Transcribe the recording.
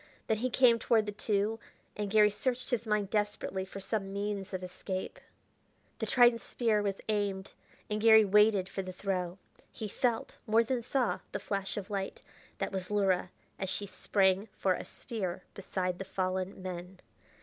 Then he came toward the two and Garry searched his mind desperately for some means of escape. The trident spear was aimed, and Garry waited for the throw. He felt, more than saw, the flash of light that was Luhra as she sprang for a spear beside the fallen men.